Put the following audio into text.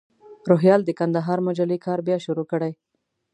روهیال د کندهار مجلې کار بیا شروع کړی.